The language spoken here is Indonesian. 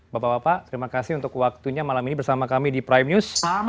bapak bapak terima kasih untuk waktunya malam ini bersama kami di prime news